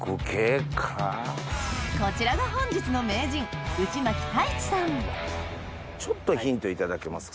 こちらが本日のちょっとヒント頂けますか？